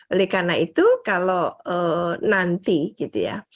oleh karena itu kalau nanti gitu ya